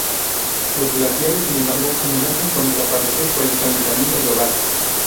Los glaciares, sin embargo, amenazan con desaparecer por el calentamiento global.